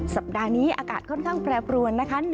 สัปดาห์นี้อากาศค่อนข้างแปรปรวนนะคะ